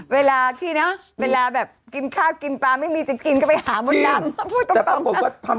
เวลาที่เนอะเวลาแบบกินข้าวกินปลาไม่มีจะกินก็ไปหามดดำ